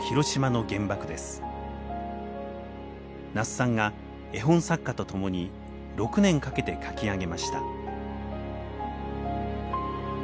那須さんが絵本作家と共に６年かけて書き上げました。